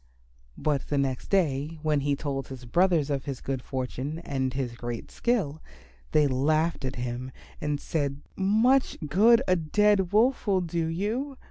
But the next day when he told his brothers of his good fortune and his great skill, they laughed at him loudly and said, "Much good a dead Wolf will do you.